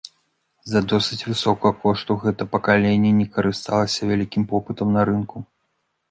З-за досыць высокага кошту гэта пакаленне не карысталася вялікім попытам на рынку.